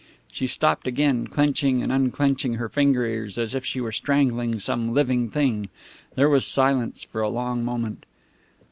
She stopped again, clenching and unclenching her fingers, as if she were strangling some living thing. There was silence for a long moment.